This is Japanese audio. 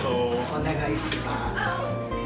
お願いします。